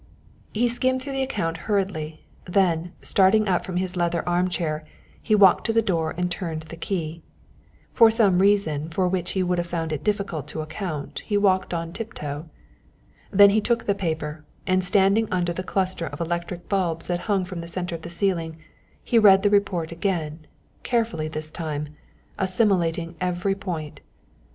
He skimmed through the account hurriedly, then starting up from his leather arm chair he walked to the door and turned the key. For some reason for which he would have found it difficult to account he walked on tiptoe. Then he took the paper, and standing under the cluster of electric bulbs that hung from the centre of the ceiling, he read the report again, carefully this time, assimilating every point.